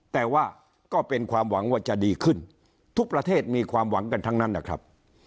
แต่ว่าก็เป็นความหวังว่าจะดีขึ้นทุกประเทศมีความหวังกันทั้งนั้นนะครับ